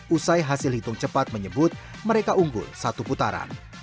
usai hasil hitung cepat menyebut mereka unggul satu putaran